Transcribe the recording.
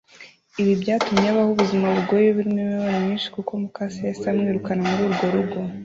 Ibi byatumye abaho ubuzima bugoye burimo imibabaro myinshi kuko mukase yahise amwirukana muri urwo rugo